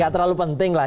gak terlalu penting lah